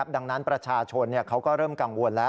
ดังนั้นประชาชนเขาก็เริ่มกังวลแล้ว